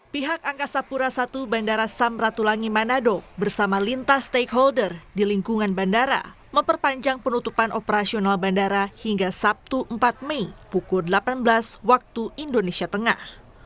pihak angkasa pura i bandara samratulangi manado bersama lintas stakeholder di lingkungan bandara memperpanjang penutupan operasional bandara hingga sabtu empat mei pukul delapan belas waktu indonesia tengah